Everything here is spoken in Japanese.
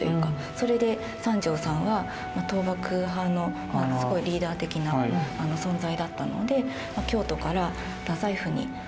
それで三条さんは倒幕派のすごいリーダー的な存在だったので京都から太宰府に。